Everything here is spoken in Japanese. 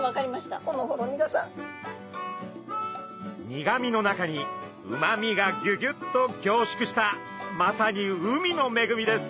苦みの中にうまみがぎゅぎゅっと凝縮したまさに海のめぐみです。